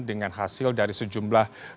dengan hasil dari sejumlah lembaga suruh